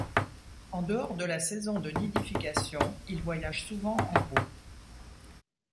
En dehors de la saison de nidification, il voyage souvent en groupes.